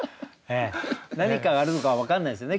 何かがあるのか分かんないですよね。